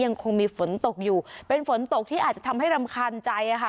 ยังคงมีฝนตกอยู่เป็นฝนตกที่อาจจะทำให้รำคาญใจค่ะ